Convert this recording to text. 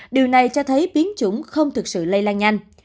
điều này cho thấy biến chủng không thực sự lây lan nhanh